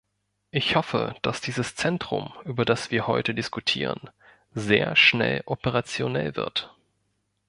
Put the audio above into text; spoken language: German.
Ich hoffe, dass dieses Zentrum, über das wir heute diskutieren, sehr schnell operationell wird.